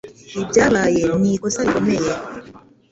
Ibyabaye ni ikosa rikomeye.